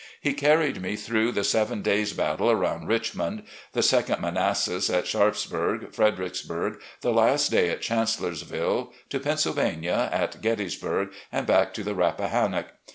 He carried me through the Seven Days battle around Richmond, the second Manassas, at Sharpsburg, Fredericksburg, the last day at Chancel lorsville, to Pennsylvania, at Gettysburg, and back to the Rappahannock.